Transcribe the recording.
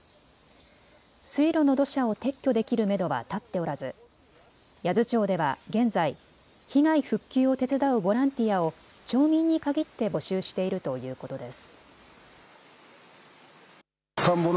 水路の土砂を撤去できるめどは立っておらず八頭町では現在、被害復旧を手伝うボランティアを町民に限って募集しているということです。